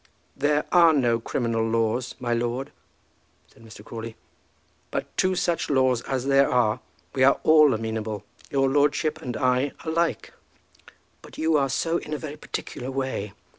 "There are no criminal laws, my lord," said Mr. Crawley; "but to such laws as there are we are all amenable, your lordship and I alike." "But you are so in a very particular way.